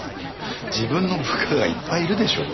自分の部下がいっぱいいるでしょう？